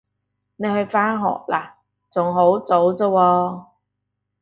你去返學喇？仲好早咋喎